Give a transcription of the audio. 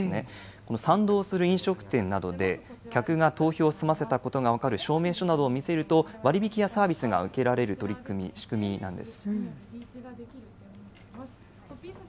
この賛同する飲食店などで、客が投票を済ませたことが分かる証明書などを見せると、割り引きやサービスが受けられる取り組み、仕組みなんです。